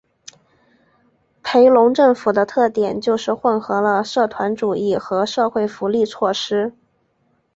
裴隆政府的特点就是混合了社团主义和社会福利措施。